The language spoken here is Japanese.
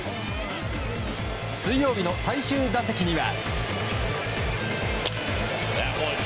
水曜日の最終打席には。